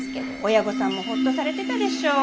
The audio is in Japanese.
親御さんもほっとされてたでしょう。